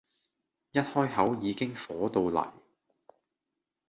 一開口已經火到黎